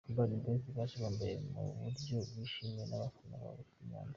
Urban Boyz baje bambeye mu buryo bwishimiwe n'abafana babo i Nyanza.